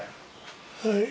はい。